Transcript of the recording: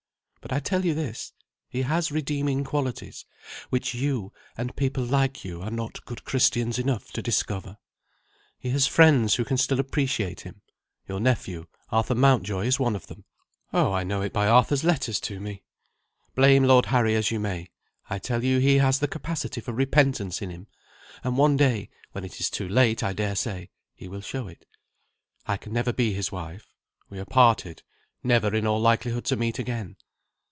But I tell you this, he has redeeming qualities which you, and people like you, are not good Christians enough to discover. He has friends who can still appreciate him your nephew, Arthur Mountjoy, is one of them. Oh, I know it by Arthur's letters to me! Blame Lord Harry as you may, I tell you he has the capacity for repentance in him, and one day when it is too late, I dare say he will show it. I can never be his wife. We are parted, never in all likelihood to meet again.